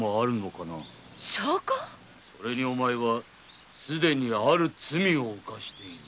それにお前はすでにある罪を犯している。